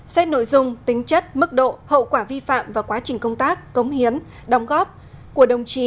xét nội dung tính chất mức độ hậu quả vi phạm và quá trình công tác cống hiến đóng góp của đồng chí